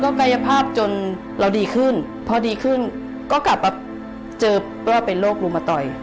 กายภาพจนเราดีขึ้นพอดีขึ้นก็กลับมาเจอว่าเป็นโรครุมตอย